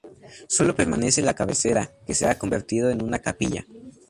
Sólo permanece la cabecera, que se ha convertido en una capilla.